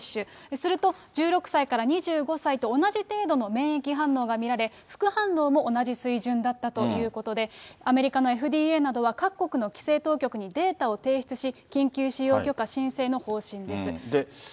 すると１６歳から２５歳と同じ程度の免疫反応が見られ、副反応も同じ水準だったということで、アメリカのＦＤＡなどは、各国の規制当局にデータを提出し、緊急使用許可申請の方針です。